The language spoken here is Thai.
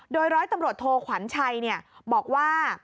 โดยร้อยตำรวจโทขวัญชัยบอกว่า